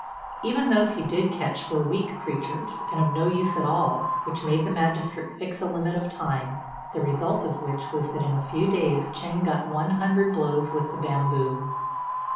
Even those he did catch were weak creatures, and of no use at all, which made the magistrate fix a limit of time, the result of which was that in a few days Ch'êng got one hundred blows with the bamboo.